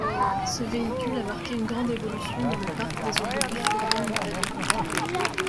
Ce véhicule a marqué une grande évolution dans le parc des autobus urbains italiens.